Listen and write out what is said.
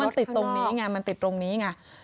มันติดตรงนี้ไงมันติดตรงนี้ไง